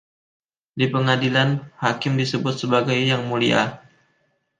Di pengadilan, hakim disebut sebagai "Yang Mulia".